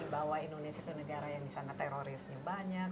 bahwa indonesia itu negara yang terorisnya banyak